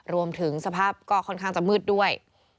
รวมถึงสภาพก็ค่อนข้างจะมืดด้วย